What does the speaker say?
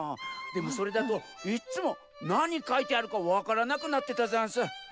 でもそれだといつもなにかいてあるかわからなくなってたざんす。